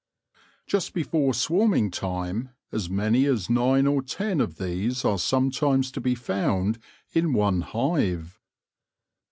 Just before swarming time, as many as nine or ten of these are sometimes to be found in one hive.